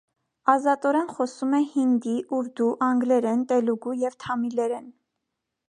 Ազատորեն խոսում է հինդի, ուրդու, անգլերեն, տելուգու և թամիլերեն։